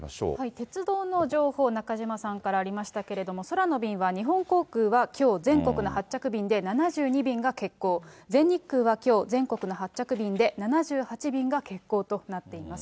鉄道の情報、中島さんからありましたけれども、空の便は日本航空はきょう、全国の発着便で７２便が欠航、全日空はきょう、全国の発着便で７８便が欠航となっています。